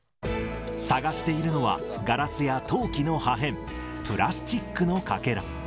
探しているのは、ガラスや陶器の破片、プラスチックのかけら。